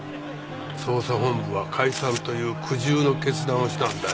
捜査本部は解散という苦渋の決断をしたんだよ。